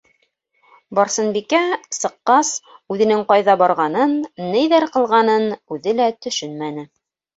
Барсынбикә, сыҡҡас, үҙенең ҡайҙа барғанын, ниҙәр ҡылғанын үҙе лә төшөнмәне.